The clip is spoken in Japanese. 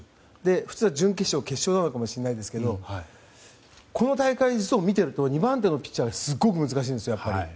普通は準決勝決勝なのかもしれないですけど実は、この大会見ていると２番手ピッチャーがすごく難しいんですよ。